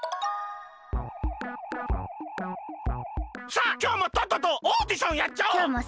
さあきょうもとっととオーディションやっちゃおう！